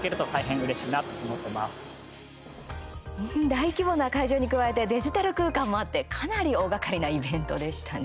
大規模な会場に加えてデジタル空間もあってかなり大がかりなイベントでしたね。